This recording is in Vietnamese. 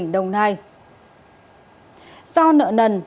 do nợ nần